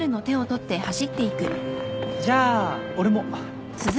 じゃあ俺も。